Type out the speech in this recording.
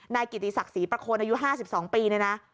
นายกิติศักดิ์ศรีประโคนอายุ๕๒ปีเนี่ยนะ